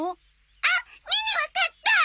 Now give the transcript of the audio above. あっネネわかった！